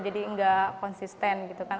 jadi gak konsisten gitu kan